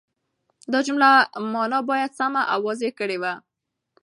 د جملو مانا باید سمه او واضحه وي.